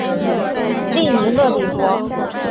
利尼勒里博。